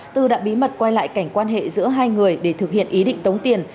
tư đã bí mật quay lại cảnh quan hệ giữa hai người để thực hiện ý định tống tiền